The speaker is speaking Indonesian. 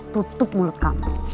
tutup mulut kamu